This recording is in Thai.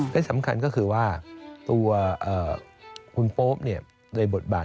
และสำคัญก็คือว่าตัวคุณโป๊ปในบทบาท